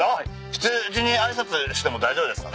羊に挨拶しても大丈夫ですか？